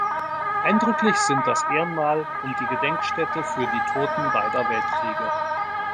Eindrücklich sind das Ehrenmal und die Gedenkstätte für die Toten beider Weltkriege.